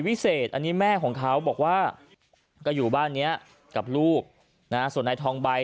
วิเศษอันนี้แม่ของเขาบอกว่าก็อยู่บ้านนี้กับลูกนะส่วนนายทองใบ